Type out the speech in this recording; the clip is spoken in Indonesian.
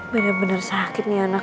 bener bener sakit nih anak